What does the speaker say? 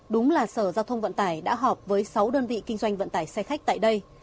đúng là sở giao thông vận tải đã họp với sáu đơn vị kinh doanh vận tải xe khách tại đây